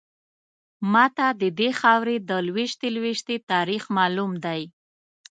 ماته ددې خاورې د لویشتې لویشتې تاریخ معلوم دی.